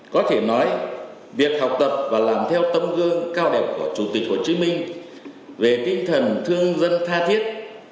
có thể nói việc học tập và làm theo tâm cương cao đẹp của chủ tịch hồ chí minh về tinh thần thương dân tha thiết